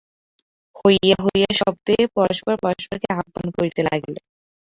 হৈয়া হৈয়া শব্দে পরস্পর পরস্পরকে আহ্বান করিতে লাগিল।